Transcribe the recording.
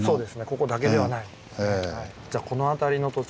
ここだけではないですね。